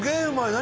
何？